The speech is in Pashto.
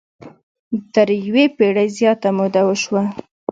تر یوې پېړۍ زیاته موده وشوه.